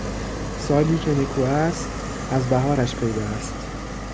سالی که نکواست ازبهارش پیدااست